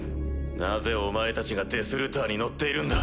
なぜお前たちがデスルターに乗っているんだ？